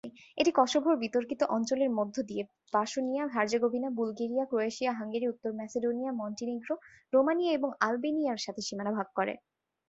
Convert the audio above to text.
এটি কসোভোর বিতর্কিত অঞ্চলের মধ্য দিয়ে বসনিয়া-হার্জেগোভিনা, বুলগেরিয়া, ক্রোয়েশিয়া, হাঙ্গেরি, উত্তর ম্যাসেডোনিয়া, মন্টিনিগ্রো, রোমানিয়া এবং আলবেনিয়ার সাথে সীমানা ভাগ করে।